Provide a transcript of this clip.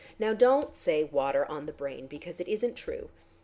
Now don't say 'water on the brain,' because it isn't true.